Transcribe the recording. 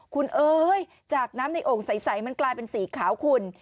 คุณเอ้ยจากน้ำในโอ่งใสมันกลายเป็นสีขาวคุณ